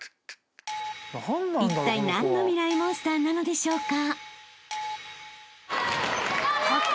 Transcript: ［いったい何のミライ☆モンスターなのでしょうか？］